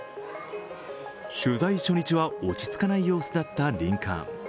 取材初日は落ち着かない様子だったリンカーン。